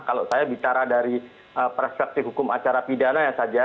kalau saya bicara dari perspektif hukum acara pidana ya saja